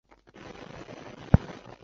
毛马齿苋是马齿苋科马齿苋属的植物。